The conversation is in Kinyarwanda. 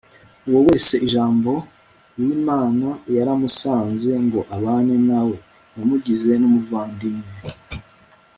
uwo wese jambo w'imana yaramusanze ngo abane nawe, yamugize n'umuvandimwe